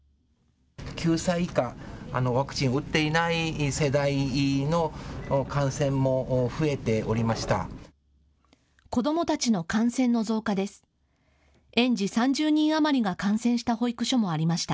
９歳以下、ワクチンを打っていない世代の感染も増えておりました。